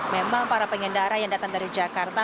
memang para pengendara yang datang dari jakarta